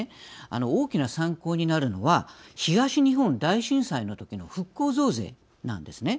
大きな参考になるのは東日本大震災のときの復興増税なんですね。